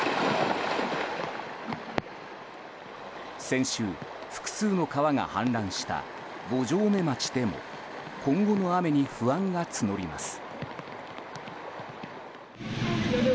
先週、複数の川が氾濫した五城目町でも今後の雨に不安が募ります。